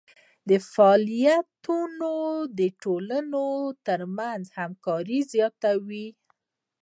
دا فعالیتونه د ټولنې ترمنځ همکاري زیاتوي.